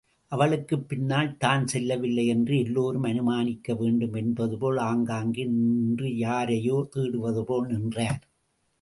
அவளுக்கு பின்னால், தான் செல்லவில்லை என்று எல்லாரும் அனுமானிக்க வேண்டும் என்பதுபோல், ஆங்காங்கே நின்றுயாரையோ தேடுவதுபோல் நின்றார்.